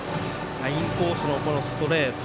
インコースのストレート。